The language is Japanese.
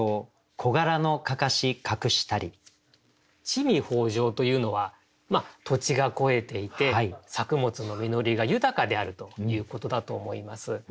「地味豊饒」というのは土地が肥えていて作物の実りが豊かであるということだと思います。